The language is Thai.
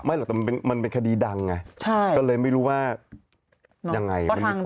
หรอกแต่มันเป็นคดีดังไงก็เลยไม่รู้ว่ายังไง